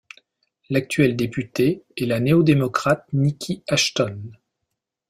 L'actuelle députée est la néo-démocrate Niki Ashton.